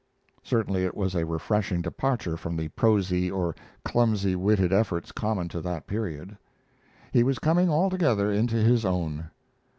Certainly it was a refreshing departure from the prosy or clumsy witted efforts common to that period. He was coming altogether into his own.